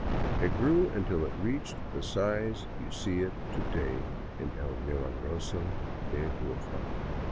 It grew until it reached the size you see it to day in El Milagroso de Buga.